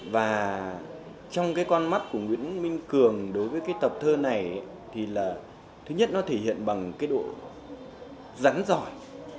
và trong cái con mắt của nguyễn minh cường đối với cái tập thơ này thì là thứ nhất nó thể hiện bằng cái độ rắn giỏi